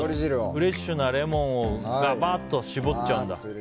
フレッシュなレモンをがばっと搾っちゃうんだ。